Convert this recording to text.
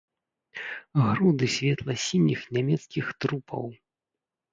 Груды светла-сініх нямецкіх трупаў!